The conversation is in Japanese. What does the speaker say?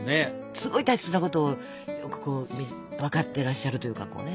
すごい大切なことを分かってらっしゃるというか。